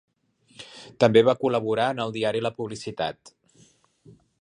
També va col·laborar en el diari La Publicitat.